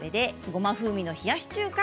ごま風味の冷やし中華